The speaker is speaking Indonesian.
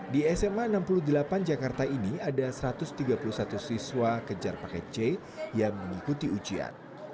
di sma enam puluh delapan jakarta ini ada satu ratus tiga puluh satu siswa kejar paket c yang mengikuti ujian